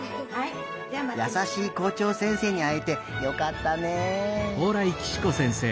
やさしいこうちょう先生にあえてよかったね。